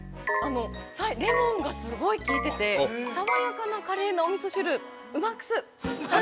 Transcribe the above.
レモンがすごいきいてて、爽やかな、カレーのおみそ汁、ウマックス。